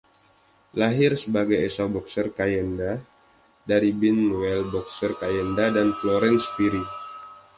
Lahir sebagai Esau Boxer Kanyenda, dari Binwell Boxer Kanyenda dan Florence Phiri.